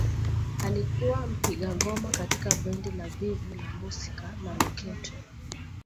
Alikuwa mpiga ngoma katika bendi za Viva la Musica na Loketo